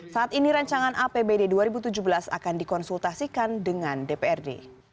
saat ini rancangan apbd dua ribu tujuh belas akan dikonsultasikan dengan dprd